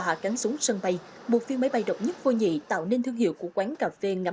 hạ cánh xuống sân bay một phiêu máy bay độc nhất vô nhị tạo nên thương hiệu của quán cà phê ngắm